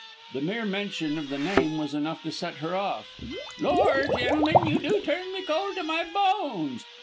The mere mention of the name was enough to set her off. "Lor', gentlemen, you do turn me cold to my bones.